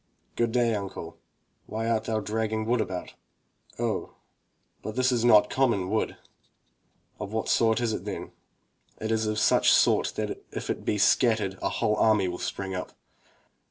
"Good day, uncle, why art thou dragging wood about?" "Oh, but this is not common wood!" "Of what sort is it, then?" " It is of such a sort that if it be scattered, a whole army will spring up."